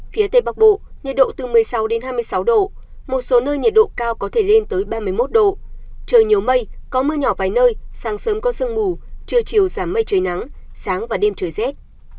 phía tây bắc bộ nhiệt độ từ một mươi sáu hai mươi sáu độ một số nơi nhiệt độ cao có thể lên tới ba mươi một độ trời nhiều mây có mưa nhỏ vài nơi sáng sớm có sương mù trưa chiều giảm mây trời nắng sáng và đêm trời rét